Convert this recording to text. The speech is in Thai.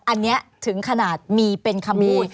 อันนี้ถึงขนาดมีเป็นขโมย